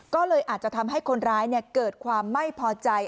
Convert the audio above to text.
ก็เลยอาจจะทำให้คนร้ายเกิดความไม่พอใจ